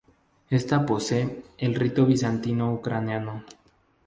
Esta posee el rito Bizantino- Ucraniano.